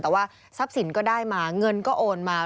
แต่ว่าทรัพย์สินก็ได้มาเงินก็โอนมา